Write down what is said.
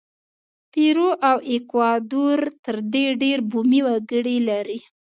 پیرو او ایکوادور تر دې ډېر بومي وګړي لري.